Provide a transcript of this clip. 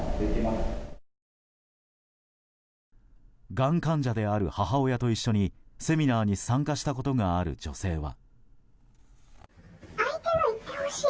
がん患者である母親と一緒にセミナーに参加したことがある女性は。